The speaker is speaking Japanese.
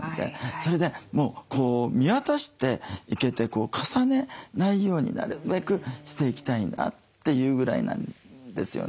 それで見渡していけて重ねないようになるべくしていきたいなというぐらいなんですよね。